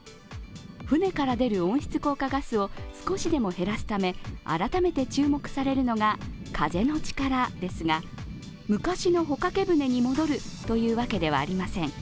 船から出る温室効果ガスを少しでも減らすため改めて注目されるのが風の力ですが、昔の帆掛け船に戻るというわけではありません。